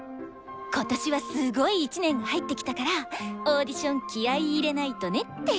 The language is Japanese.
今年はすごい１年が入ってきたからオーディション気合い入れないとねって。